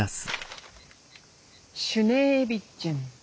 シュネービッチェン。